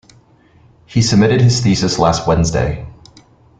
He submitted his thesis last Wednesday.